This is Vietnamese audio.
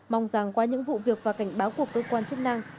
mong rằng qua những vụ việc và cảnh báo của cơ quan chức năng